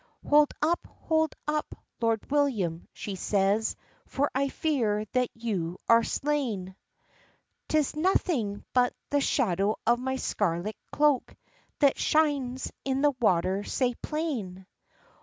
"Hold up, hold up, Lord William," she says, "For I fear that you are slain!" "'Tis naething but the shadow of my scarlet cloak That shines in the water sae plain."